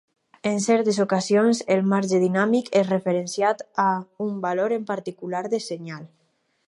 En certes ocasions, el marge dinàmic és referenciat a un valor en particular de senyal.